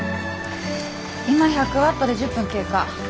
今１００ワットで１０分経過。